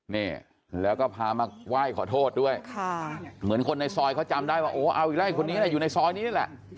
นี่แล้วก็พามาไหว้ขอโทษด้วยค่ะเหมือนคนในซอยเขาจำได้ว่าโอ้เอาอีกแล้วไอ้คนนี้อยู่ในซอยนี้นี่แหละ